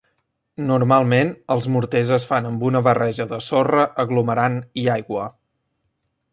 Normalment, els morters es fan amb una barreja de sorra, aglomerant i aigua.